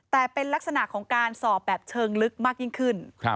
แต่เป็นลักษณะของการสอบแบบเชิงลึกมากยิ่งขึ้น